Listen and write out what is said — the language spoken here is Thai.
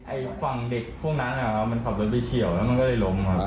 ฝั่งเด็กพวกนั้นมันขับรถไปเฉียวแล้วมันก็เลยล้มครับ